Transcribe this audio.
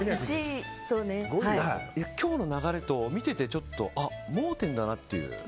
今日の流れと、見ててちょっとあ、盲点だなっていう。